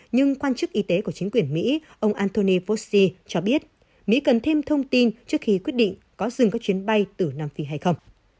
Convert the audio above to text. nhưng quan chức y tế của chính quyền mỹ ông antony vossi cho biết mỹ cần thêm thông tin trước khi quyết định có dừng các chuyến bay từ nam phi hay không